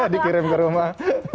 dikirim ke rumah